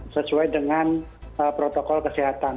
sesuai dengan protokol kesehatan